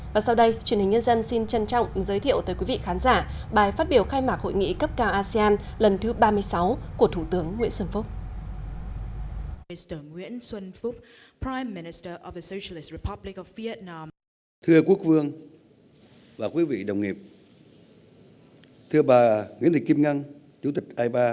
và sau đây truyền hình nhân dân xin trân trọng giới thiệu tới quý vị khán giả bài phát biểu khai mạc hội nghị cấp cao asean lần thứ ba mươi sáu của thủ tướng nguyễn xuân phúc